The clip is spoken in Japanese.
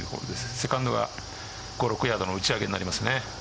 セカンドは５、６ヤードの打ち上げになります。